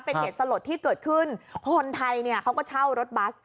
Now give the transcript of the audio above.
เป็นเหตุสลดที่เกิดขึ้นคนไทยเนี่ยเขาก็เช่ารถบัส